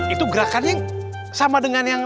itu gerakan yang sama dengan yang